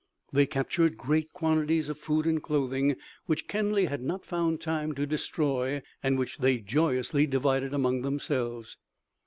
They captured great quantities of food and clothing which Kenly had not found time to destroy, and which they joyously divided among themselves.